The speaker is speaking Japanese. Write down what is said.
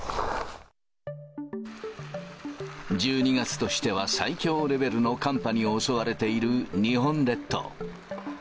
１２月としては最強レベルの寒波に襲われている日本列島。